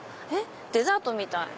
デザートみたい。